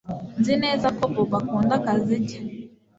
Nzi neza ko Bobo akunda akazi ke